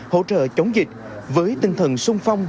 hỗ trợ chống dịch với tinh thần sung phong